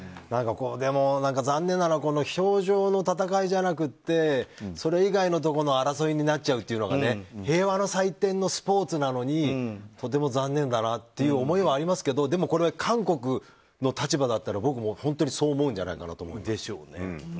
でも、残念なのが氷上の戦いじゃなくてそれ以外のところの争いになっちゃうのが平和の祭典のスポーツなのにとても残念だなという思いはありますけどでも、これは韓国の立場だったら僕もそう思うんじゃないかなって。でしょうね。